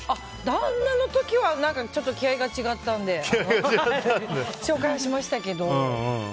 旦那の時はちょっと気合が違ったんで紹介はしましたけど。